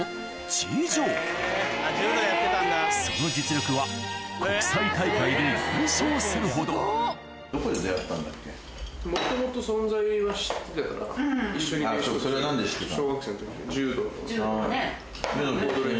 その実力は国際大会で優勝するほどそれは何で知ってたの？